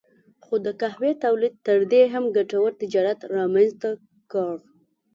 خو د قهوې تولید تر دې هم ګټور تجارت رامنځته کړ.